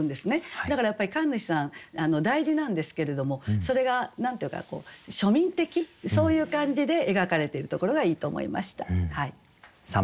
だからやっぱり神主さん大事なんですけれどもそれが何と言うかこう庶民的そういう感じで描かれてるところがいいと思いました。